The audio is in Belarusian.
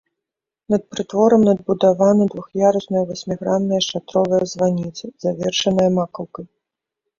Над прытворам надбудавана двух'ярусная васьмігранная шатровая званіца, завершаная макаўкай.